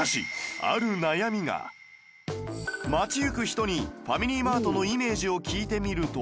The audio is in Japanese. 街行く人にファミリーマートのイメージを聞いてみると